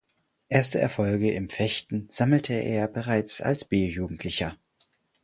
Erste Erfolge im Fechten sammelte er bereits als B-Jugendlicher.